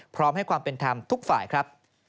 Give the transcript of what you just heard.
พร้อมให้ความเป็นธรรมทุกฝ่ายครับ